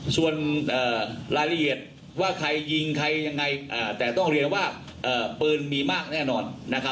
ส่วนรายละเอียดว่าใครยิงใครยังไงแต่ต้องเรียนว่าปืนมีมากแน่นอน